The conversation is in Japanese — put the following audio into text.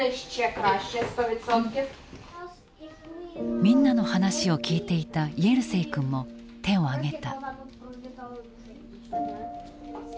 みんなの話を聞いていたイェルセイ君も手を挙げた。